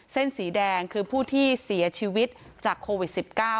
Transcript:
เส้นสีแดงคือผู้ที่เสียชีวิตจากโควิด๑๙